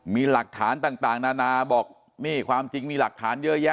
มีหลักฐานต่างนานาบอกนี่ความจริงมีหลักฐานเยอะแยะ